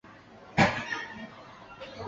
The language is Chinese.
民主党黄坚成宣布本届不参选。